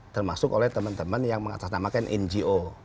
termasuk oleh teman teman yang mengatasnamakan ngo